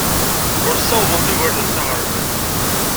Ur ssawaḍent igerdan s aɣerbaz.